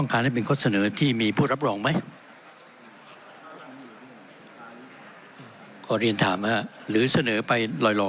คุณคุณเชฟที่สามที่ท่านครับ